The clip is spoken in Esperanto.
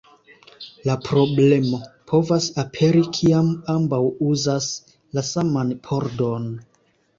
La problemo povas aperi kiam ambaŭ uzas la saman pordon.